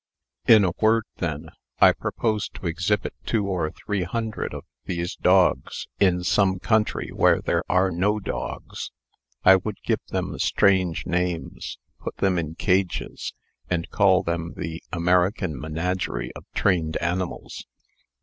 In a word, then, I propose to exhibit two or three hundred of these dogs, in some country where there are no dogs. I would give them strange names, put them in cages, and call them the 'American Menagerie of Trained Animals.'